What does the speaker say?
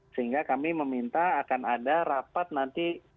sehingga kami meminta akan ada rapat nanti